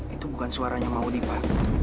itu bukan suaranya mau nikah